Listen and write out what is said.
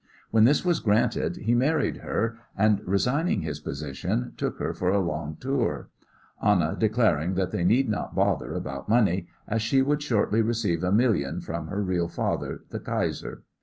When this was granted he married her, and, resigning his position, took her for a long tour, Anna declaring that they need not bother about money, as she would shortly receive a million from her real father, the Kaiser.